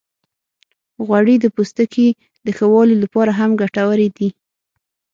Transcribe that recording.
غوړې د پوستکي د ښه والي لپاره هم ګټورې دي.